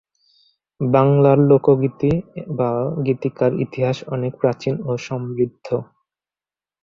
বাংলার লোকগীতি বা গীতিকার ইতিহাস অনেক প্রাচীন ও সমৃদ্ধ।